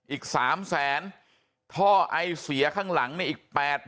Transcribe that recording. อีก๓๐๐๐๐๐๐ท่อไอเสียข้างหลังนี่อีก๘๐๐๐๐